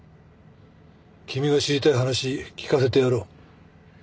君が知りたい話聞かせてやろう。